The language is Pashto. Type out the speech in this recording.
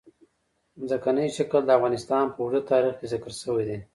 ځمکنی شکل د افغانستان په اوږده تاریخ کې ذکر شوی دی.